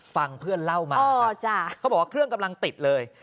ฟังเพื่อนเล่ามาเขาบอกว่าเครื่องกำลังติดเลย